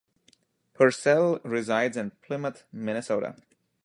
Purcell resides in Plymouth, Minnesota.